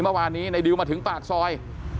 เมื่อวานนี้ในดิวมาถึงปากซอย